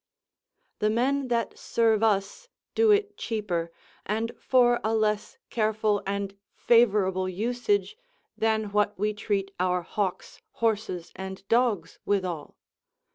The men that serve us do it cheaper, and for a less careful and favourable usage than what we treat our hawks, horses and dogs withal.